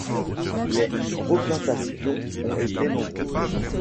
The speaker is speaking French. Les replantations ont été nombreuses.